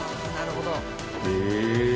へえ。